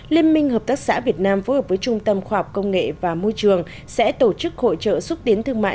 liên minh hợp tác xã việt nam phối hợp với trung tâm khoa học công nghệ và môi trường sẽ tổ chức hội trợ xúc tiến thương mại